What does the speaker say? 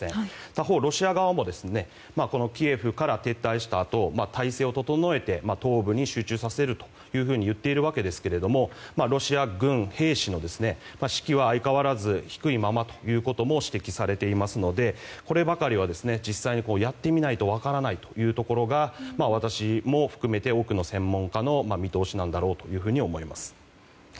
他方、ロシア側もキーウから撤退したあと体制を整えて東部に集中させるといっているわけですけれどもロシア軍兵士の士気は相変わらず低いままということも指摘されていますのでこればかりは実際にやってみないと分からないというところが私も含めて多くの専門家の見通しだろうと思います。